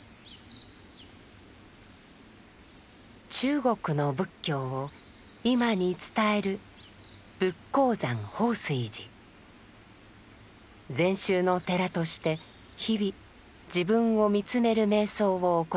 中国の仏教を今に伝える禅宗の寺として日々自分を見つめる瞑想を行っています。